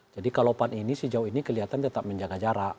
jadi kalau pan ini sejauh ini kelihatan tetap menjaga jarak